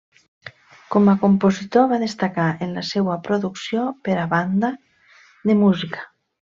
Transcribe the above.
Com a compositor va destacar en la seua producció per a banda de música.